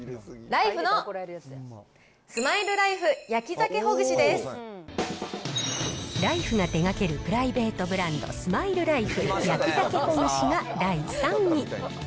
ライフのスマイルライフ焼鮭ライフが手がけるプライベートブランド、スマイルライフ焼鮭ほぐしが第３位。